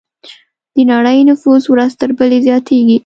د نړۍ نفوس ورځ تر بلې زیاتېږي.